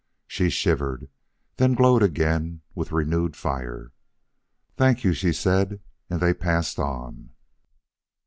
She shivered; then glowed again with renewed fire. "Thank you," she said; and they passed on.